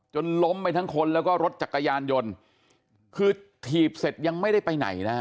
ล้มไปทั้งคนแล้วก็รถจักรยานยนต์คือถีบเสร็จยังไม่ได้ไปไหนนะฮะ